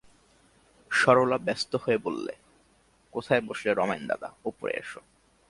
সরলা ব্যস্ত হয়ে বললে, কোথায় বসলে রমেনদাদা, উপরে এসো।